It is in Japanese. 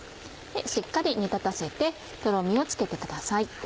しっかり煮立たせてトロミをつけてください。